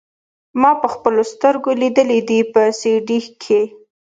ما پخپلو سترګو ليدلي دي په سي ډي کښې.